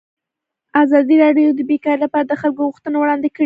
ازادي راډیو د بیکاري لپاره د خلکو غوښتنې وړاندې کړي.